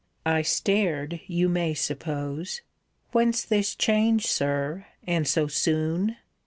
I stared, you may suppose. Whence this change, Sir? and so soon?